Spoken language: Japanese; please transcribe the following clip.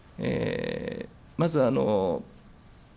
まず。